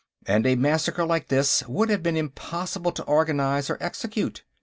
And a massacre like this would have been impossible to organize or execute.